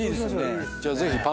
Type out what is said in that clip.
じゃあぜひ。